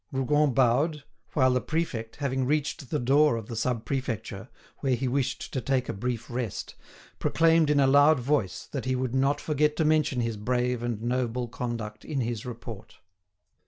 Rougon bowed, while the prefect, having reached the door of the Sub Prefecture, where he wished to take a brief rest, proclaimed in a loud voice that he would not forget to mention his brave and noble conduct in his report.